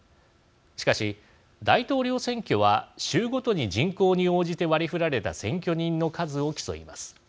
しかし大統領選挙は州ごとに人口に応じて割りふられた選挙人の数を競います。